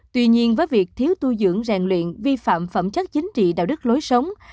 tuy nhiên với việc thiếu tu dưỡng rèn luyện vi phạm phẩm chất chính trị đạo đức lối sống